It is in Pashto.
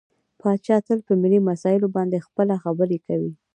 پاچا تل په ملي مسايلو باندې خپله خبرې کوي .